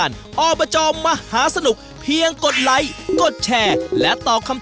อาทิตย์หน้าเจอกัน